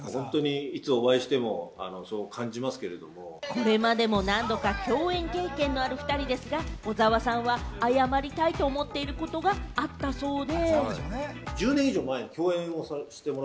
これまでも何度か共演経験のある２人ですが、小澤さんは謝りたいと思っていることがあったそうで。